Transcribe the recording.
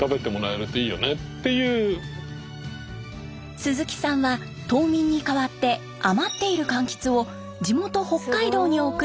鈴木さんは島民に代わって余っている柑橘を地元北海道に送り販売。